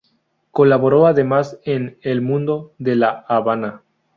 Colaboró además en "El Mundo" de La Habana.